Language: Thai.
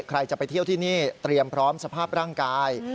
ใครจะไปเที่ยวที่นี่เตรียมพร้อมสภาพร่างกาย